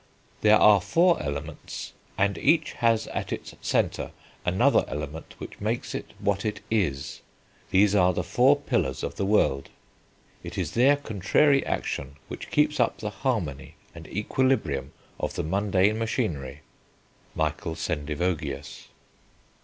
"There are four elements, and each has at its centre another element which makes it what it is. These are the four pillars of the world.... It is their contrary action which keeps up the harmony and equilibrium of the mundane machinery." (Michael Sendivogius.)